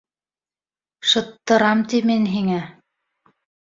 Шыттырам ти мин һиңә!